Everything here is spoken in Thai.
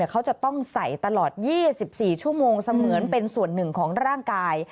เขาจะต้องใส่ตลอด๒๔ชั่วโมงเสมือนเป็นส่วนหนึ่งของร่างกาย